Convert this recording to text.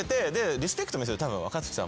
リスペクト見せるとたぶん若槻さん